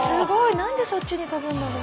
なんでそっちに跳ぶんだろう？